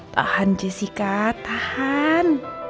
tahan jessica tahan